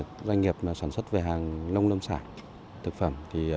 chúng tôi là doanh nghiệp sản xuất về hàng nông nông sản thực phẩm